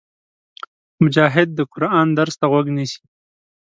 مجاهد د قرآن درس ته غوږ نیسي.